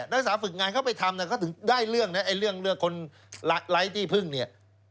นักศึกษาฝึกงานเขาไปทำก็ถึงได้เรื่องคนไร้ที่พึ่งเนี่ย